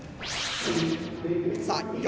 さあ